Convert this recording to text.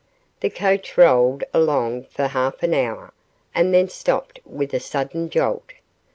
The coach rolled along for half an hour, and then stopped with a sudden jolt.